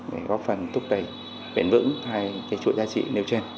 để góp phần thúc đẩy bền vững hai chuỗi giá trị nêu trên